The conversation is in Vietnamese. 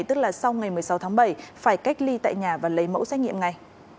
tức là sau ngày một mươi sáu tháng bảy phải cách ly tại nhà và lấy mẫu xét nghiệm ngay